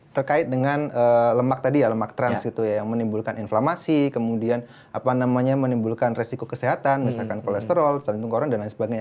terkait dengan lemak tadi ya lemak trans gitu ya yang menimbulkan inflamasi kemudian apa namanya menimbulkan resiko kesehatan misalkan kolesterol jantung koron dan lain sebagainya